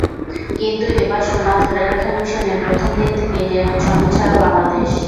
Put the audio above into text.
কিন্তু এবার সোনা ধরে রাখার মিশনে প্রথম দিন থেকেই যেন ছন্নছাড়া বাংলাদেশ।